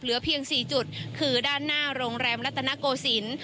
เหลือเพียงสี่จุดคือด้านหน้าโรงแรมลัตนโกศิลป์